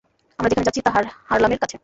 আমরা যেখানে যাচ্ছি, তা হারলামের কাছে।